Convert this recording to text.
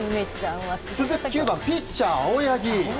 続く９番ピッチャー、青柳。